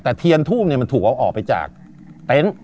แต่เทียนทูบมันถูกเอาออกไปจากเต็นต์